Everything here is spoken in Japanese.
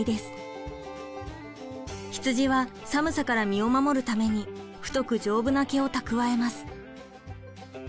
羊は寒さから身を守るために太く丈夫な毛を蓄えます。